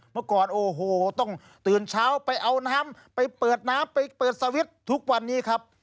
เมื่อก่อนโอ้โหต้องตื่นเช้าไปเอาน้ำไปเปิดน้ำไปเปิดสวิตช์ทุกวันนี้ครับ